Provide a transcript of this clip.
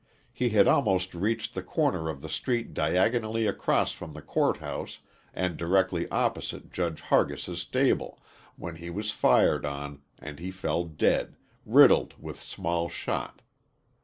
He had almost reached the corner of the street diagonally across from the court house, and directly opposite Judge Hargis' stable, when he was fired on and he fell dead, riddled with small shot.